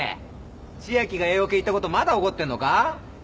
千秋がＡオケ行ったことまだ怒ってんのか？